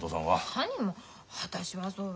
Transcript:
何も私はそんな。